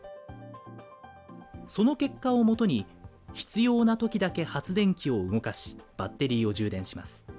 その結果をもとに、必要なときだけ発電機を動かし、バッテリーを充電します。